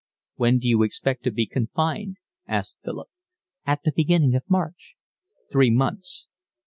"When d'you expect to be confined?" asked Philip. "At the beginning of March." "Three months."